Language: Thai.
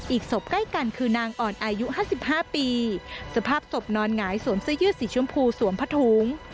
อีกศพใกล้กันคือนางอ่อนอายุ๕๕ปีสภาพศพนอนหงายสวมเสื้อยืดสีชมพูสวมผ้าถุง